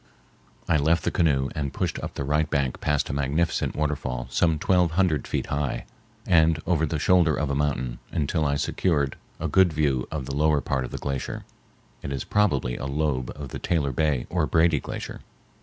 I left the canoe and pushed up the right bank past a magnificent waterfall some twelve hundred feet high, and over the shoulder of a mountain, until I secured a good view of the lower part of the glacier. It is probably a lobe of the Taylor Bay or Brady Glacier.